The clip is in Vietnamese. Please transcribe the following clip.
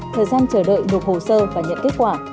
thời gian chờ đợi nộp hồ sơ và nhận kết quả